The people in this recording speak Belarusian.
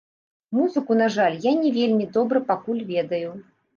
Музыку, на жаль, я не вельмі добра пакуль ведаю.